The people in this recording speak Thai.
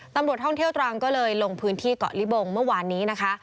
ตำรวจท่องเที่ยวตรังก็เลยลงพื้นที่เกาะลิบงเมื่อวานนี้นะคะ